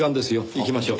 行きましょう。